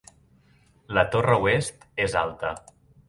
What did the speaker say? La torre oest és alta.